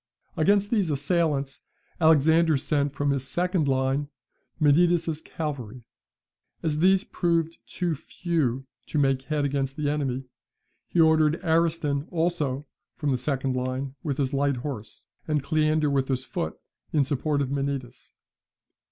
Against these assailants Alexander sent from his second line Menidas's cavalry. As these proved too few to make head against the enemy, he ordered Ariston also from the second line with his light horse, and Cleander with his foot, in support of Menidas.